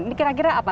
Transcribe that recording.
ini kira kira apa